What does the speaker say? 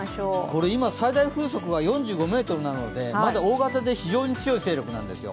これ今最大風速が４５メートルなので、まだ大型で非常に強い勢力なんですよ。